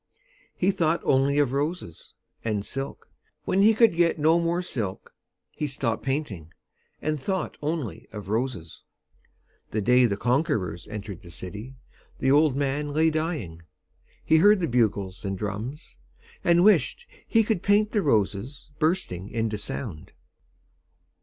He thought only of roses, And silk. When he could get no more silk He stopped painting And only thought Of roses. The day the conquerors Entered the city, The old man Lay dying. He heard the bugles and drums, And wished he could paint the roses Bursting into sound.